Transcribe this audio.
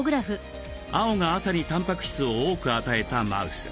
青が朝にたんぱく質を多く与えたマウス。